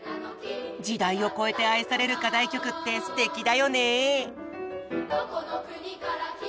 時代を超えて愛される課題曲ってすてきだよね！